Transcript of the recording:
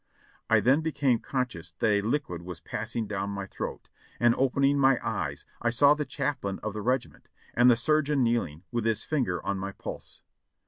I then became conscious that a liquid was passing down my throat, and opening my eyes I saw the chaplain of the regiment, and the surgeon kneeling, with his finger on my pulse.